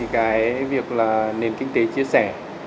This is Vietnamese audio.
cái việc nền kinh tế chia sẻ